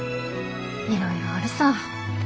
いろいろあるさ。